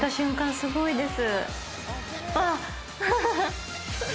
すごいです！